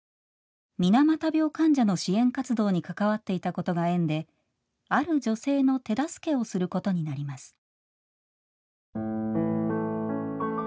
水俣病患者の支援活動に関わっていたことが縁である女性の手助けをすることになります。